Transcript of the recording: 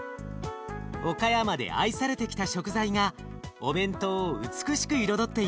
岡山で愛されてきた食材がお弁当を美しく彩っています。